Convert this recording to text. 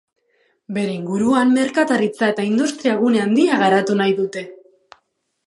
Bere inguruan merkataritza eta industria gune handia garatu nahi dute.